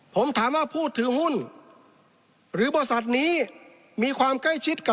ผมถามว่าผู้ถือหุ้นหรือบริษัทนี้มีความใกล้ชิดกับ